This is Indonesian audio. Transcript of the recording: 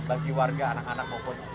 bagi warga anak anak maupun orang tua di sini